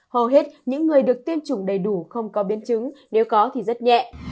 hầu hết những người được tiêm chủng đầy đủ không có biến chứng nếu có thì rất nhẹ